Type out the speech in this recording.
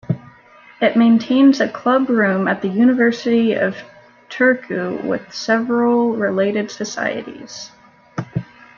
It maintains a club room at the University of Turku with several related societies.